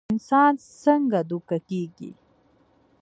انسان څنګ دوکه کيږي